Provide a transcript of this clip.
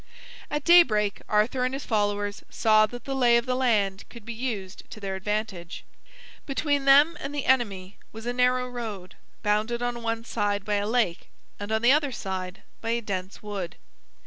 At daybreak Arthur and his followers saw that the lay of the land could be used to their advantage. Between them and the enemy was a narrow road, bounded on one side by a lake, and on the other side by a dense wood.